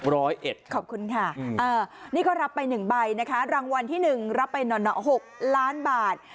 ร้อยเอ็ดขอบคุณค่ะนี่เขารับไปหนึ่งใบนะคะรางวัลที่หนึ่งรับไปหกล้านบาท